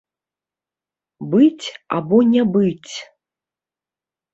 Быць або не быць?